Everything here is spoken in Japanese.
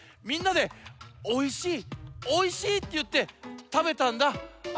みんなで「おいしいおいしい」っていってたべたんだ。